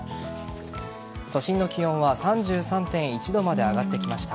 都心の気温は３３．１度まで上がってきました。